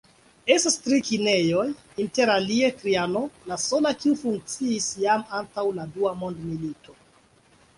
Estas tri kinejoj, interalie "Trianon", la sola kiu funkciis jam antaŭ la Dua Mondmilito.